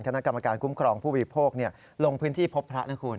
คณะกรรมการคุ้มครองผู้บริโภคลงพื้นที่พบพระนะคุณ